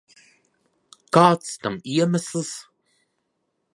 Kāds tam iemesls?